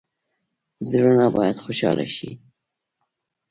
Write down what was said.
زړونه باید خوشحاله شي